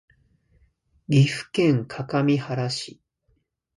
岐阜県各務原市